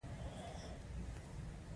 دساتیر عاجل هدایت ته ویل کیږي.